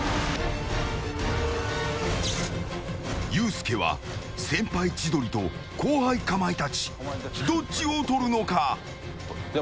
ユースケは先輩・千鳥と後輩・かまいたちどっちをとるのか。